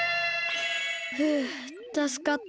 ふうたすかった。